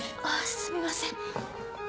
ああすみません。